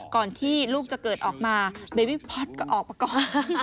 ก่อนที่ลูกจะเกิดออกมาเบบีพอตก็ออกประกอบ